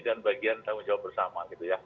dan bagian tanggung jawab bersama gitu ya